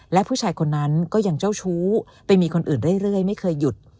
และผู้ชายคนนั้นก็ยังเจ้าชู้ไปมีคนอื่นเรื่อยไม่เคยหยุด